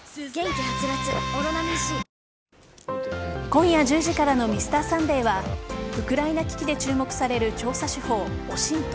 今夜１０時からの「Ｍｒ．サンデー」はウクライナ危機で注目される調査手法、ＯＳＩＮＴ。